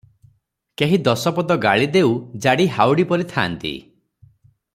କେହି ଦଶ ପଦ ଗାଳି ଦେଉ ଜାଡ଼ି ହାଉଡ଼ି ପରି ଥାଆନ୍ତି ।